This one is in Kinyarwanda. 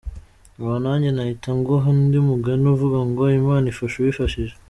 Aha nanjye nahita nguha undi mugani uvuga ngo, “Imana ifasha uwifashije.